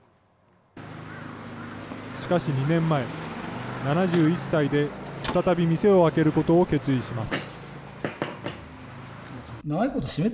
しかし、２年前、７１歳で再び店を開けることを決意します。